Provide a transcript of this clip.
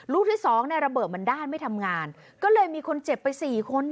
ลูกที่สองเนี่ยระเบิดมันด้านไม่ทำงานก็เลยมีคนเจ็บไปสี่คน